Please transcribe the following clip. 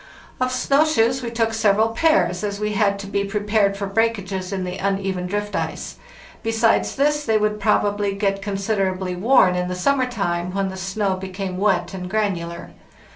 Of snow shoes we took several pairs, as we had to be prepared for breakages in the uneven drift ice; besides this, they would probably get considerably worn in the summer time when the snow became wet and granular.